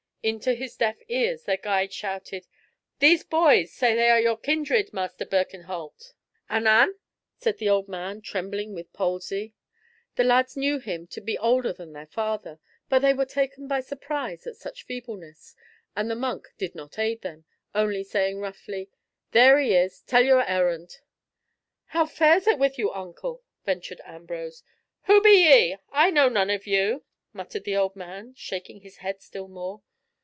Into his deaf ears their guide shouted, "These boys say they are your kindred, Master Birkenholt." "Anan?" said the old man, trembling with palsy. The lads knew him to be older than their father, but they were taken by surprise at such feebleness, and the monk did not aid them, only saying roughly, "There he is. Tell your errand." "How fares it with you, uncle?" ventured Ambrose. "Who be ye? I know none of you," muttered the old man, shaking his head still more.